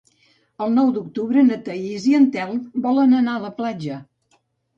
El nou d'octubre na Thaís i en Telm volen anar a la platja.